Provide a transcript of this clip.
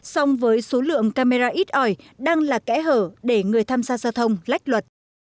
song với số lượng camera ít ỏi đang là kẽ hở để người tham gia giao thông lách luật